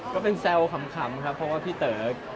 ก็เป็นแซวขำครับเพราะว่าพี่เต๋อ